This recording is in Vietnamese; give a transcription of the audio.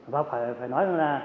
và phải nói rằng là